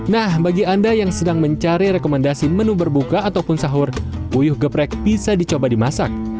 nah bagi anda yang sedang mencari rekomendasi menu berbuka ataupun sahur puyuh geprek bisa dicoba dimasak